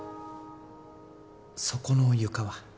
そこの床は？